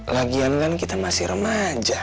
lagian kan kita masih remaja